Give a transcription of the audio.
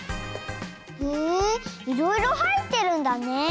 へえいろいろはいってるんだね。